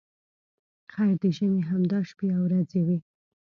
خیر د ژمي همدا شپې او ورځې وې.